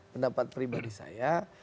pendapat pribadi saya